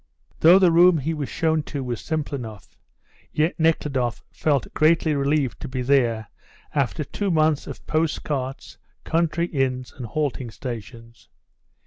Though the room he was shown to was simple enough, yet Nekhludoff felt greatly relieved to be there after two months of post carts, country inns and halting stations.